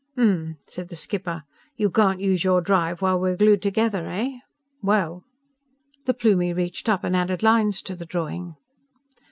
"Hm m m," said the skipper. "You can't use your drive while we're glued together, eh? Well?" The Plumie reached up and added lines to the drawing.